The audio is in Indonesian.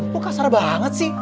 lu kasar banget sih